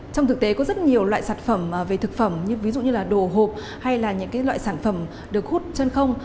trong thực tế có rất nhiều loại sản phẩm về thực phẩm như ví dụ như là đồ hộp hay là những loại sản phẩm được hút chân không